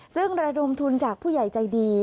ซึ่งระดมทุนจากผู้ใหญ่ใจดี